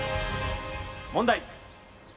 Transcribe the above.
問題。